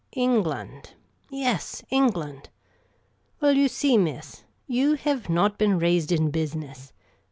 " England ? Yes, England! Well, you see, miss, you hev not been raised in business.